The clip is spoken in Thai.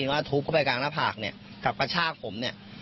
ว่าทุบเข้าไปกลางหน้าผากเนี่ยกับกระชากผมเนี่ย